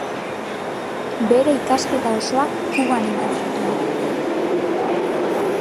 Bere ikasketa osoak Kuban eman zituen.